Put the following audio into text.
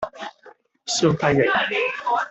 燒雞翼